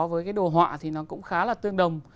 với cái đồ họa thì nó cũng khá là tương đồng